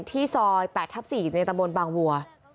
ที่ซอย๘ทับ๔ในตะบนบางวัว